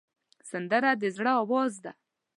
سندره د زړه آواز دی